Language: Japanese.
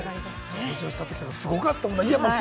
登場したときすごかったもんな。